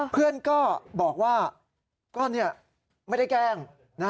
เพื่อนก็บอกว่าก็ไม่ได้แกล้ง